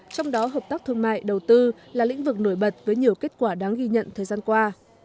trong đó hợp tác thương mại đầu tư là lĩnh vực nổi bật với nhiều kết quả đáng ghi nhận thời gian qua